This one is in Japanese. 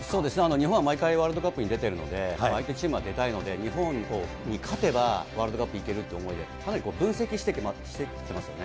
日本は毎回、ワールドカップに出てるので、相手チームは出たいので、日本に勝てば、ワールドカップ行けるっていう思いで、かなり分析してきてますよね。